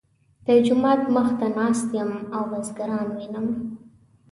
د جومات مخ ته ناست یم او بزګران وینم.